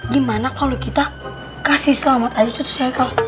gimana kalau kita kasih selamat aja tuh si haikal